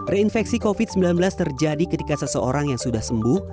reinfeksi covid sembilan belas terjadi ketika seseorang yang sudah sembuh